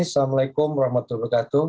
wassalamualaikum warahmatullahi wabarakatuh